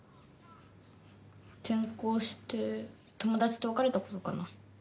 転校して友達と別れたことかな。